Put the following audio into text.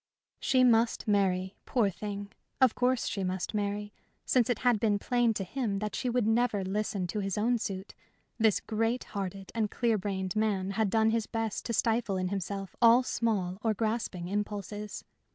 She must marry, poor thing! Of course she must marry. Since it had been plain to him that she would never listen to his own suit, this great hearted and clear brained man had done his best to stifle in himself all small or grasping impulses.